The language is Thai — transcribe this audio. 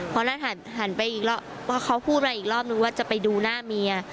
พอนัทหันไปอีกรอบเพราะเขาพูดมาอีกรอบนึงว่าจะไปดูหน้าเมีย